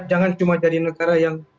jangan cuma jadi negara yang